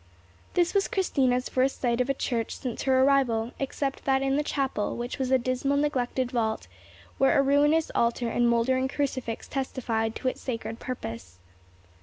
This was Christina's first sight of a church since her arrival, except that in the chapel, which was a dismal neglected vault, where a ruinous altar and mouldering crucifix testified to its sacred purpose.